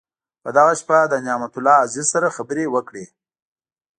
په دغه شپه له نعمت الله عزیز سره خبرې وکړې.